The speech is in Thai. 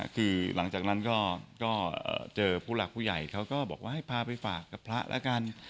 คือหลังจากนั้นก็เจอผู้หลักผู้ใหญ่เขาก็บอกว่าให้พาไปฝากกับพระแล้วกัน